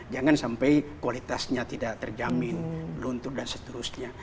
jangan sampai kualitasnya tidak terjamin luntur dan seterusnya